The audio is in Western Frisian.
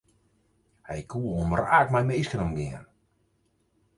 Hy koe omraak mei minsken omgean.